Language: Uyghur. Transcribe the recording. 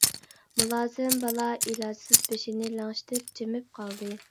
مۇلازىم بالا ئىلاجسىز بېشىنى لىڭشىتىپ جىمىپ قالدى.